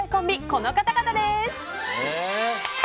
この方々です！